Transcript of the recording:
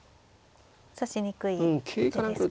指しにくい手ですか。